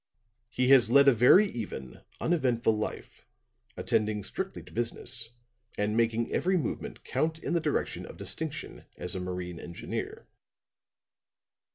He has led a very even, uneventful life, attending strictly to business and making every movement count in the direction of distinction as a marine engineer.